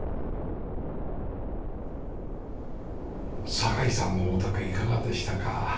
酒井さんのお宅いかがでしたか？